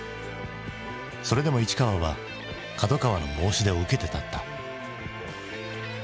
それでも市川は角川の申し出を受けて立った。